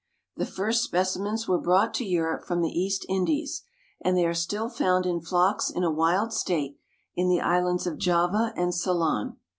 The first specimens were brought to Europe from the East Indies, and they are still found in flocks in a wild state in the islands of Java and Ceylon.